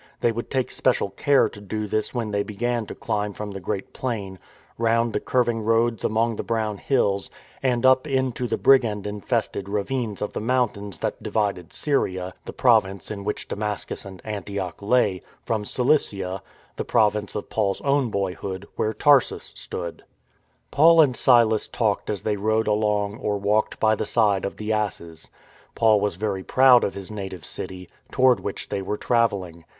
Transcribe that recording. They would take special care to do this when they began to climb from the great plain, round the curving roads among the brown hills, and up into the brigand infested ravines of the mountains that divided Syria (the province in which Damascus and Antioch lay) from Cilicia (the province of Paul's own boyhood, where Tarsus stood)/ Paul and Silas talked as they rode along or walked by the side of the asses. Paul was very proud of his native city, toward which they were travelling.